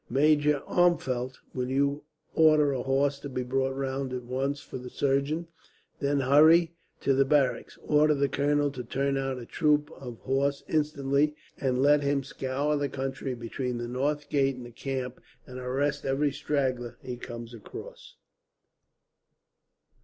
"Major Armfeldt, will you order a horse to be brought round at once for the surgeon, then hurry to the barracks. Order the colonel to turn out a troop of horse instantly, and let him scour the country between the north gate and the camp, and arrest every straggler he comes across."